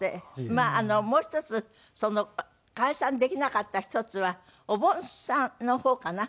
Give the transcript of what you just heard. まああのもう１つ解散できなかった１つはおぼんさんの方かな？